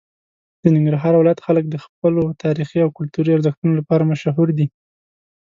د ننګرهار ولایت خلک د خپلو تاریخي او کلتوري ارزښتونو لپاره مشهور دي.